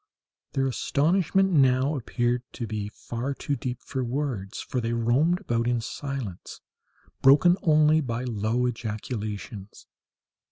Their astonishment now appeared to be far too deep for words, for they roamed about in silence, broken only by low ejaculations.